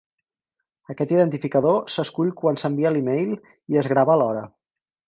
Aquest identificador s'escull quan s'envia l'e-mail i es grava alhora.